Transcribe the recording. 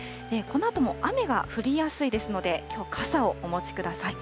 このあとも雨が降りやすいですので、きょう、傘をお持ちください。